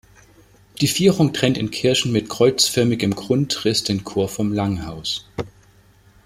Die Vierung trennt in Kirchen mit kreuzförmigem Grundriss den Chor vom Langhaus.